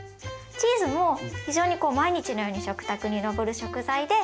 チーズも非常にこう毎日のように食卓に上る食材で。